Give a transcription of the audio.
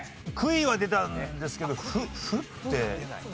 杭は出たんですけど「フ」って？